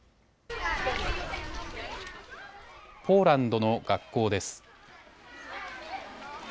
ポーランドの学校です。